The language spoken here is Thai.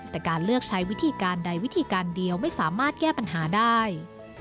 แต่การเลือกใช้วิธีการใดวิธีการเดียวไม่สามารถแก้ปัญหาได้